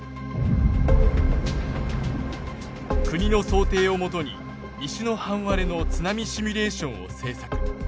国の想定をもとに西の半割れの津波シミュレーションを制作。